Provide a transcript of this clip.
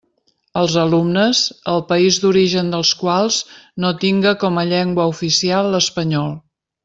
Els alumnes, el país d'origen dels quals no tinga com a llengua oficial l'espanyol.